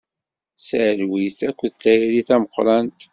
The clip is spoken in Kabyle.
Talwit akked tayri tameqrant.